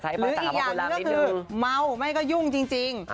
อีกอย่างนี้คือเมา้วไม่ได้ยุ่งจริง